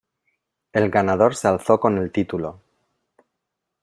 El ganador se alzó con el título.